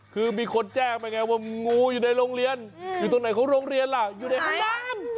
คือมีคนแจ้งไปไงว่างูอยู่ในโรงเรียนอยู่ตรงไหนของโรงเรียนล่ะอยู่ในห้องน้ำ